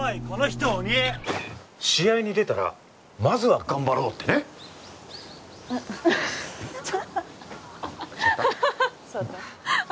この人鬼試合に出たらまずは頑張ろうってねハハハ